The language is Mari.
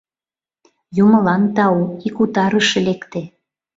Юмылан тау! — ик утарыше лекте.